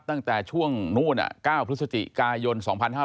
ตั้งแต่ช่วงนู้น๙พฤศจิกายน๒๕๕๙